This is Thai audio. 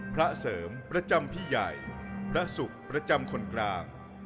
พระเสริมประจำพี่ใหญ่พระศุกร์ประจำคนกลาง